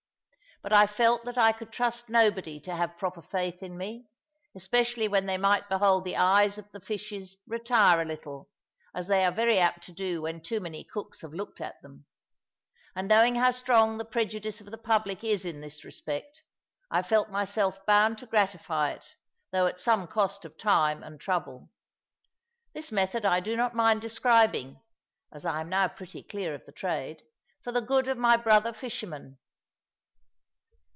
But I felt that I could trust nobody to have proper faith in me, especially when they might behold the eyes of the fishes retire a little, as they are very apt to do when too many cooks have looked at them. And knowing how strong the prejudice of the public is in this respect, I felt myself bound to gratify it, though at some cost of time and trouble. This method I do not mind describing (as I am now pretty clear of the trade) for the good of my brother fishermen.